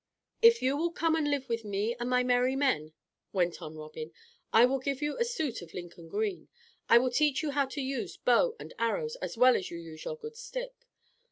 "If you will come and live with me and my Merry Men," went on Robin, "I will give you a suit of Lincoln green. I will teach you how to use bow and arrows as well as you use your good stick."